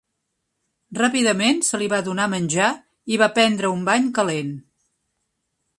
Ràpidament se li va donar menjar i va prendre un bany calent.